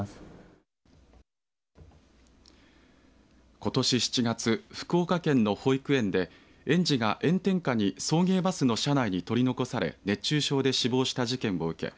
ことし７月、福岡県の保育園で園児が炎天下に送迎バスの車内に取り残され熱中症で死亡した事件を受け